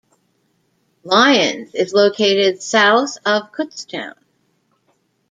Lyons is located south of Kutztown.